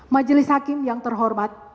majelis hakim yang terhormat